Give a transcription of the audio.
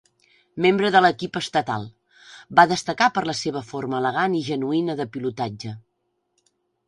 Membre de l'equip estatal, va destacar per la seva forma elegant i genuïna de pilotatge.